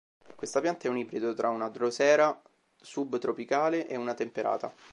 Questa pianta è un ibrido tra una drosera subtropicale e una temperata.